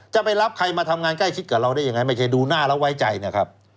จะไปรับใครมาทำงานใกล้ชิดกับเราได้ยังไงไม่ใช่ดูหน้าแล้วไว้ใจนะครับ